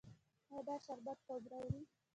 ایا دا شربت خوب راوړي؟